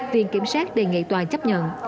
viện kiểm sát đề nghị tòa chấp nhận